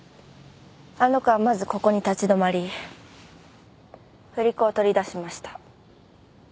あの子はまずここに立ち止まり振り子を取り出しました。